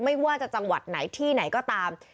ไม่ว่าจะจังหวัดไหนที่ไหนก็ตาม